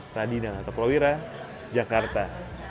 radina lataplawira jakarta